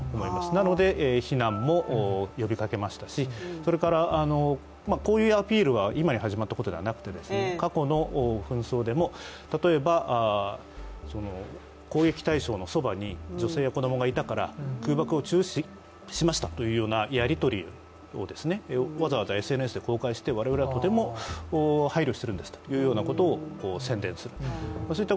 なので避難も呼びかけましたしこういうアピールは今に始まったことではなくて、過去の紛争でも例えば攻撃対象のそばに女性や子供がいたから空爆を中止しましたというようなやりとりを、わざわざＳＮＳで公開して我々はとても配慮してるんですとアピールしていました。